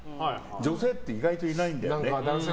女性って意外といないんだよね。